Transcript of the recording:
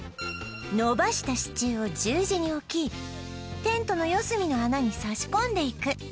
伸ばした支柱を十字に置きテントの四隅の穴に差し込んでいく